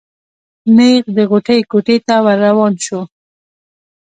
نېغ د غوټۍ کوټې ته ور روان شو.